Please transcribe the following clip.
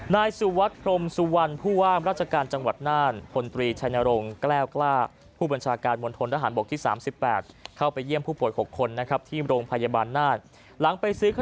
นายสุวัตรครมสุวรรณผู้ว่ามรัชการจังหวัดน่าน